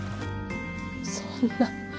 そんな。